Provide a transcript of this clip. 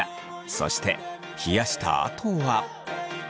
そして冷やしたあとは。